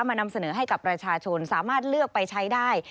นำเสนอให้กับประชาชนสามารถเลือกไปใช้ได้